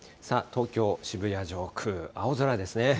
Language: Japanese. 東京・渋谷上空、青空ですね。